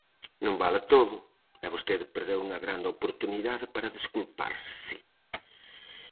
Non vale todo, e vostede perdeu unha grande oportunidade para desculparse.